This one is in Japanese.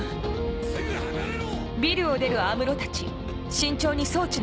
すぐ離れろ！